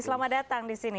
selamat datang di sini